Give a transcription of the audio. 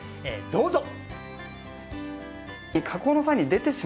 どうぞ！